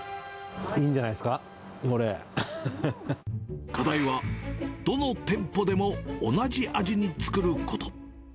いいんじゃないですか、課題は、どの店舗でも同じ味に作ること。